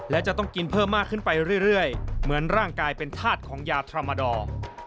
และจะต้องกินเพิ่มมากขึ้นไปเรื่อยเหมือนร่างกายเป็นธาตุของยาธรรมดอร์